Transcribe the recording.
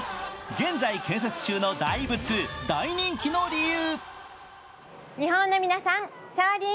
現在建設中の大仏、大人気の理由。